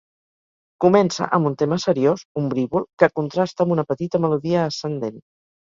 Comença amb un tema seriós, ombrívol, que contrasta amb una petita melodia ascendent.